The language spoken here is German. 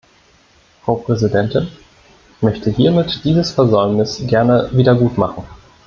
Frau Präsidentin, ich möchte hiermit dieses Versäumnis gerne wiedergutmachen.